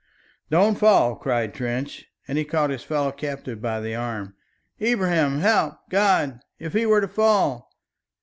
"Don't fall," cried Trench, and he caught his fellow captive by the arm. "Ibrahim, help! God, if he were to fall!"